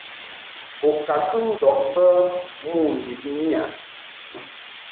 I ka kɨ ndɔʼ bə mo ndib miƴa.